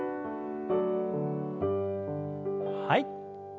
はい。